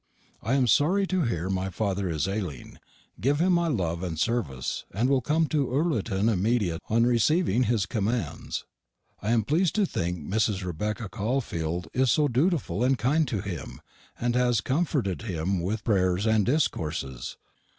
"I am sorrie to here my father is aleing; give him my love and servise, and will come to Ullerton immediate on receiving his commands. I am plesed to think Mrs. Rebecka Caulfeld is so dutifull and kind to him, and has comfortedd him with prairs and discorses.